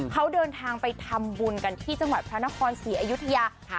เขาเดินทางไปทำบุญกันที่จังหวัดพระนครศรีอยุธยา